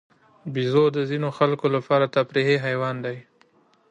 بیزو د ځینو خلکو لپاره تفریحي حیوان دی.